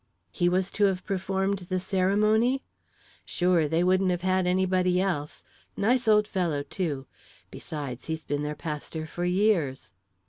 "He was to have performed the ceremony?" "Sure. They wouldn't have had anybody else. Nice old fellow, too. Besides, he's been their pastor for years."